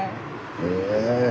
へえ。